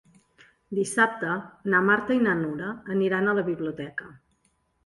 Dissabte na Marta i na Nura aniran a la biblioteca.